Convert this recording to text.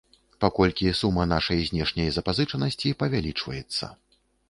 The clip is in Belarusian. Паколькі сума нашай знешняй запазычанасці павялічваецца.